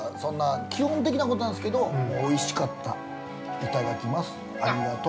基本的なことなんですけどおいしかった、いただきますありがとう。